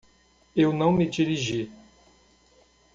Eu não me dirigi.